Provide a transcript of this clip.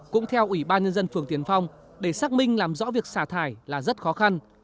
cũng theo ủy ban nhân dân phường tiền phong để xác minh làm rõ việc xả thải là rất khó khăn